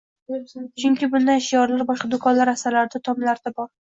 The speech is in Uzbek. Chunki bunday shiorlar boshqa do‘konlar rastalarida, tomlarda bor